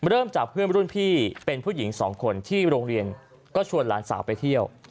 เริ่มจากเพื่อนรุ่นพี่เป็นผู้หญิงสองคนที่โรงเรียนก็ชวนหลานสาวไปเที่ยว